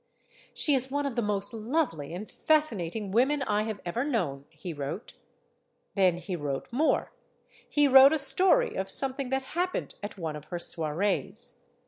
"She is one of the most lovely and fascinating women I have ever known!" he wrote. Then he wrote more; he wrote a story of something that happened at one of her soirees.